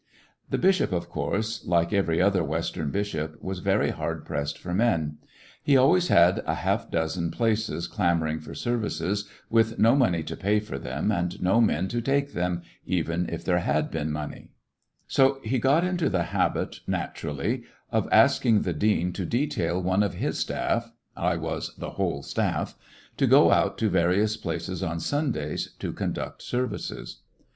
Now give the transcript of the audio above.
A short' The bishop, of course, like every other West handed bishop ,., t_ ■« j /. ern bishop, was very hard pressed for men. He always had half a dozen places clamoring for services, with no money to pay for them and no men to take them even if there had been money ; so he got into the habit, natu 4 '{VlissionarY in t^e Great West rally, of asking the dean to detail one of his staff— I was the whole staff— to go out to various places on Sunday to conduct services.